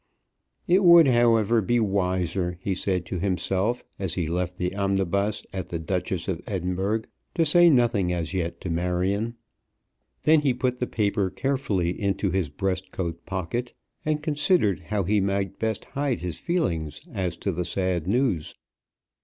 It would, however, be wiser, he said to himself as he left the omnibus at the "Duchess of Edinburgh," to say nothing as yet to Marion. Then he put the paper carefully into his breast coat pocket, and considered how he might best hide his feelings as to the sad news.